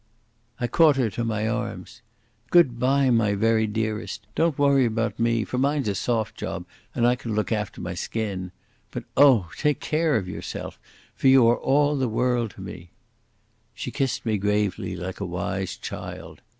I caught her to my arms. "Goodbye, my very dearest. Don't worry about me, for mine's a soft job and I can look after my skin. But oh! take care of yourself, for you are all the world to me." She kissed me gravely like a wise child.